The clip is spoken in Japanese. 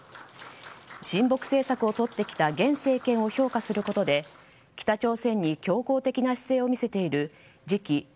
親北政策をとってきた現政権を評価することで北朝鮮に強硬的な姿勢を見せている次期